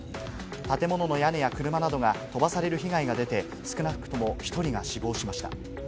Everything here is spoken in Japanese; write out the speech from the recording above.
建物の屋根や車などが飛ばされる被害が出て、少なくとも１人が死亡しました。